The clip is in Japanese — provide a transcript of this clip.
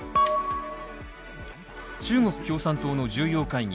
中国共産党の重要会議